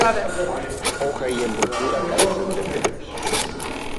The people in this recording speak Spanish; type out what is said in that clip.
Hoja y envoltura carecen de pelos.